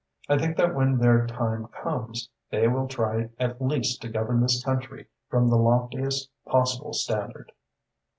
I think that when their time comes, they will try at least to govern this country from the loftiest possible standard."